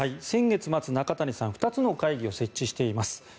先月末、中谷さん２つの会議を設置しています。